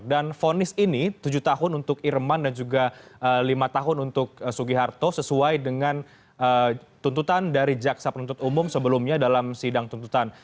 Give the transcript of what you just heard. fonis ini tujuh tahun untuk irman dan juga lima tahun untuk sugiharto sesuai dengan tuntutan dari jaksa penuntut umum sebelumnya dalam sidang tuntutan